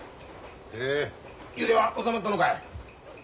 へえ揺れは収まったのかい？